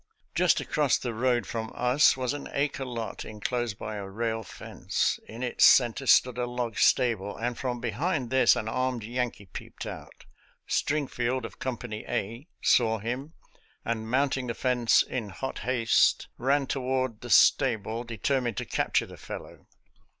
*•• Just across the road from us was an acre lot inclosed by a rail fence. In its center stood a log stable, and from behind this an armed Yankee peeped out. Stringfleld, of Company A, saw him, and mounting the fence in hot haste, ran toward the stable^ determined to capture the fellow.